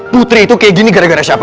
putri itu kayak gini gara gara siapa